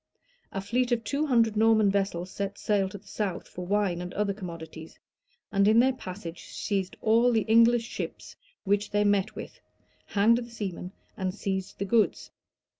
A fleet of two hundred Norman vessels set sail to the south for wine and other commodities; and in their passage seized all the English ships which they met with, hanged the seamen, and seized the goods.